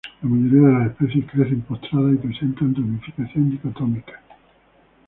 La mayoría de las especies crecen postradas y presentan ramificación dicotómica.